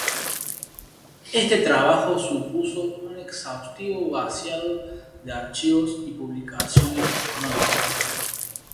Este trabajo supuso un exhaustivo vaciado de archivos y publicaciones económicas.